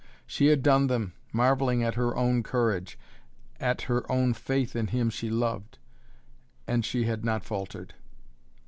She had done them, marvelling at her own courage, at her own faith in him she loved, and she had not faltered.